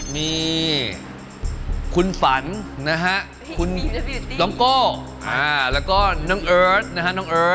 มีคุณฝันนะฮะคุณน้องโก้แล้วก็น้องเอิร์ทนะฮะน้องเอิร์ท